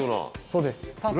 そうです。